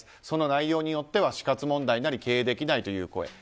その内容によっては死活問題になり経営できないという声。